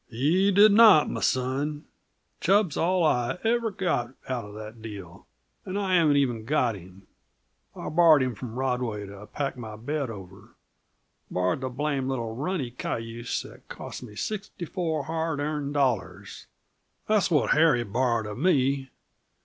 "He did not, m' son. Chub's all I ever got out uh the deal and I haven't even got him. I borrowed him from Rodway to pack my bed over borrowed the blame' little runty cayuse that cost me sixty four hard earned dollars; that's what Harry borrowed of me.